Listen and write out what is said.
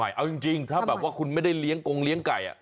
เอาจริงถ้าแบบว่าคุณไม่ได้เลี้ยงกงเลี้ยงไก่